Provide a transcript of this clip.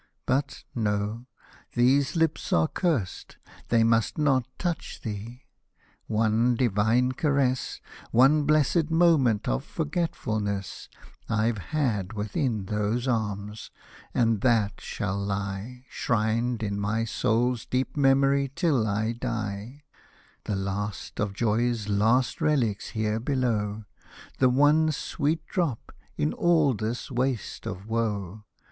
but, no — these lips are curst, They must not touch thee ;— one divine caress, One blessed moment of forgetfulness I've had within those arms, and that shall lie, Shrined in my soul's deep memory till I die ; The last of joy's last relics here below. The one sweet drop, in all this waste of woe.